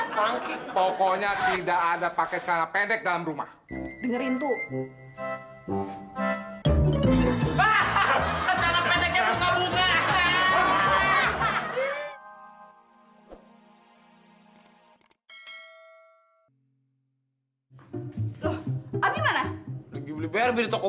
panggung pokoknya tidak ada pakai cara pendek dalam rumah dengerin tuh